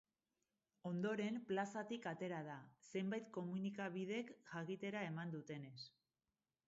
Ondoren, plazatik atera da, zenbait komunikabidek jakitera eman dutenez.